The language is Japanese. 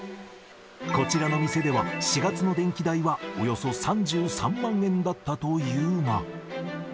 こちらの店では４月の電気代はおよそ３３万円だったというが。